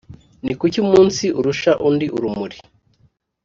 Ni kuki umunsi urusha undi urumuri,